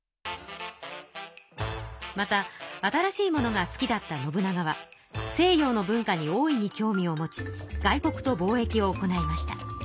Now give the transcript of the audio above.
また新しいものが好きだった信長は西洋の文化に大いに興味を持ち外国と貿易を行いました。